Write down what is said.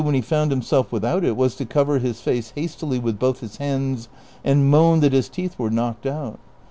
245 when he found himself without it was to cover his face hastily with both his hands and moan that his teeth were knocked out.